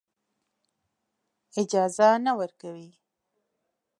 اجازه نه ورکوي.